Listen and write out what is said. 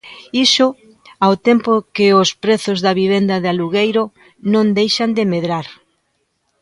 Iso, ao tempo que os prezos da vivenda de alugueiro non deixan de medrar.